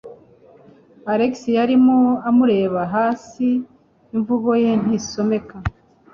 Alex yarimo amureba hasi, imvugo ye ntisomeka.